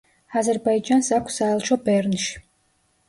აზერბაიჯანს აქვს საელჩო ბერნში.